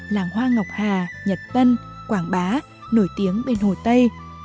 làng hoa ngọc hà nhật tân quảng bá nổi tiếng bên hồ tây